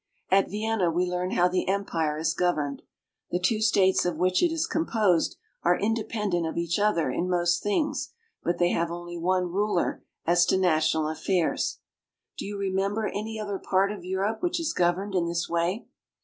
At Vienna we learn how the empire is governed. The two states of which it is comcjsed are independent of each other in most things, but chey have only one ruler as to national affairs. Do you remember any other part ot Europe which is governed in this way?